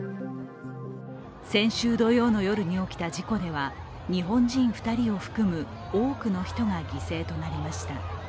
先週土曜の夜に起きた事故では日本人２人を含む多くの人が犠牲となりました。